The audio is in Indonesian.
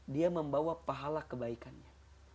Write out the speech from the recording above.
dia membawa pahala kebaikannya